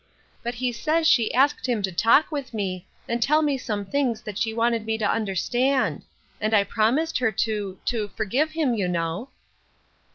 But he says she asked him to talk with me, and tell me some things that she wanted me to understand — and I promised her to — to forgive him, you know."